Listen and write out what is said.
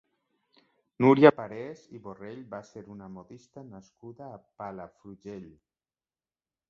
Núria Parés i Borrell va ser una modista nascuda a Palafrugell.